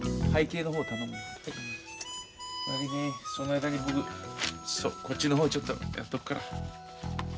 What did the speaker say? その間に僕そうこっちの方ちょっとやっておくから。